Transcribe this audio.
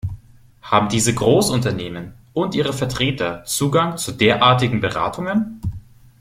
Haben diese Großunternehmen und ihre Vertreter Zugang zu derartigen Beratungen?